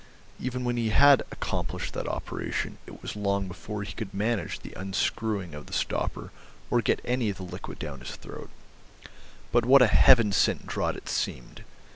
Even when he had accomplished that operation it was long before he could manage the unscrewing of the stopper or get any of the liquid down his throat. But what a Heaven sent draught it seemed!